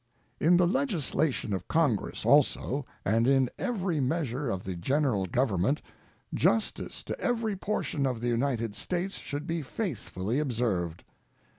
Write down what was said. In the legislation of Congress also, and in every measure of the General Government, justice to every portion of the United States should be faithfully observed.